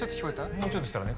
もうちょっとしたらね。